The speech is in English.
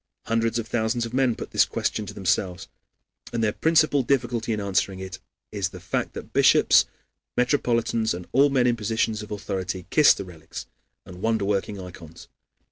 Hundreds of thousands of men put this question to themselves, and their principal difficulty in answering it is the fact that bishops, metropolitans, and all men in positions of authority kiss the relics and wonder working ikons.